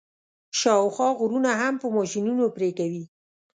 شاوخوا غرونه هم په ماشینونو پرې کوي.